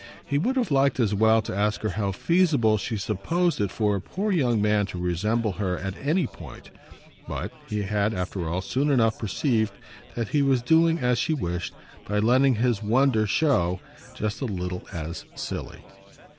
He would have liked as well to ask her how feasible she supposed it for a poor young man to resemble her at any point; but he had after all soon enough perceived that he was doing as she wished by letting his wonder show just a little as silly.